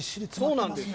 そうなんです。